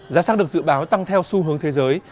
giá xăng được dự báo tăng theo xu hướng thế giới